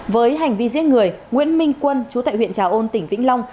với hành vi giết người nguyễn minh quân chú tại huyện trà ôn tỉnh vĩnh long